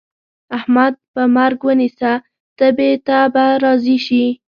احمد په مرګ ونيسه؛ تبې ته به راضي شي.